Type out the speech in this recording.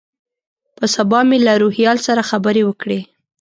په سبا مې له روهیال سره خبرې وکړې.